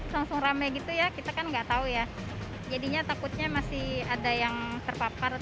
langsung rame gitu ya kita kan nggak tahu ya jadinya takutnya masih ada yang terpapar